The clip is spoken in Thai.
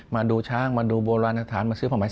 มาดูช้างมาดูโบราณสถานมาซื้อผ้าไหม